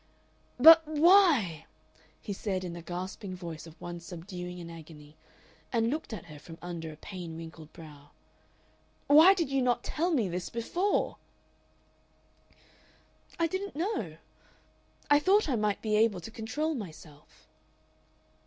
"But why," he said in the gasping voice of one subduing an agony, and looked at her from under a pain wrinkled brow, "why did you not tell me this before?" "I didn't know I thought I might be able to control myself."